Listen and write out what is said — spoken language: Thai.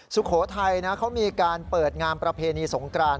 สุโขทัยนะเขามีการเปิดงานประเพณีสงกราน